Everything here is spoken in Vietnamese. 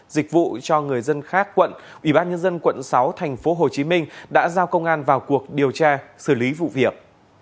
dịch vụ cho người dân khác quận ủy ban nhân dân quận sáu thành phố hồ chí minh đã giao công an vào cuộc điều tra xử lý vụ việc